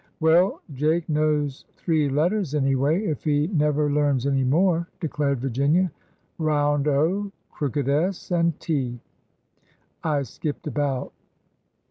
^'Well, Jake knows three letters, anyway, if he never learns any more," declared Virginia, — round O, crooked S, and T. I skipped about."